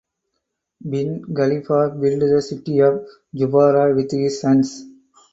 Bin Khalifa built the city of Zubarah with his sons.